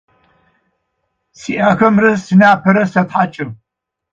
Сиӏахэмрэ синапэрэ сэтхьэкӏы.